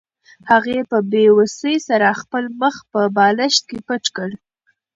هغې په بې وسۍ سره خپل مخ په بالښت کې پټ کړ.